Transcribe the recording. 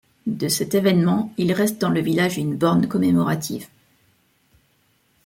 De cet événement, il reste dans le village une borne commémorative.